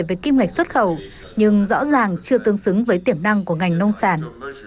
về kim ngạch xuất khẩu nhưng rõ ràng chưa tương xứng với tiềm năng của ngành nông sản